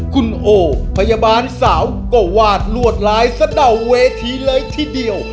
คุณโอพยาบาลสาวก็วาดลวดลายสะดาวเวทีเลยทีเดียว